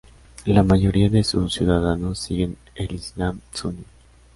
La mayoría de sus ciudadanos siguen el islam suní.